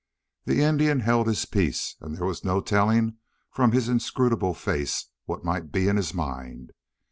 The Indian held his peace and there was no telling from his inscrutable face what might be in his mind.